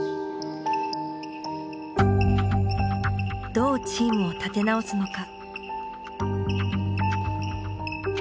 どうチームを立て直すのか。